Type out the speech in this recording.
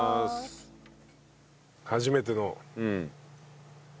初めての。